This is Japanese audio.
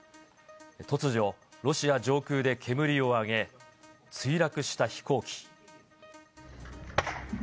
突如、ロシア上空で煙を上げ、墜落した飛行機。